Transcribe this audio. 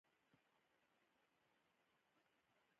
یا هم د هغه د کړاو شاهد واوسو.